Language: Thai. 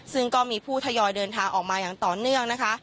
ซึ่งก็มีผู้ทยอยเดินทางออกมาอย่างต่อเนื่องนะคะ